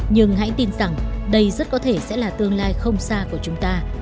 nhưng hãy tin rằng đây rất có thể sẽ là tương lai không xa của chúng ta